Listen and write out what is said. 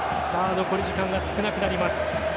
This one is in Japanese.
残り時間が少なくなります。